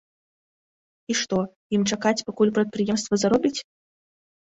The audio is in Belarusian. І што, ім чакаць пакуль прадпрыемства заробіць?